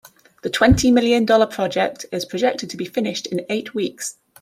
The twenty million dollar project is projected to be finished in eight weeks.